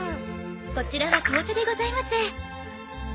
こちらは紅茶でございます。